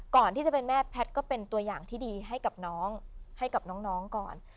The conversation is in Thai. ก่อนที่จะเป็นแม่แพทย์ก็เป็นตัวอย่างที่ดีให้กับน้องให้กับน้องก่อน